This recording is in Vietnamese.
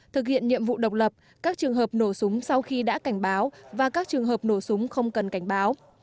thực hiện nhiệm vụ độc lập các trường hợp nổ súng sau khi đã cảnh báo và các trường hợp nổ súng không cần cảnh báo